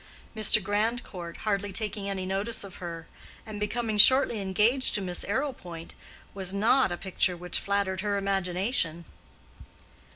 Mr. Grandcourt taking hardly any notice of her, and becoming shortly engaged to Miss Arrowpoint, was not a picture which flattered her imagination.